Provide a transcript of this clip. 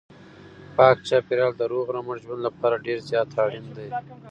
پاک چاپیریال د روغ رمټ ژوند لپاره ډېر زیات اړین دی.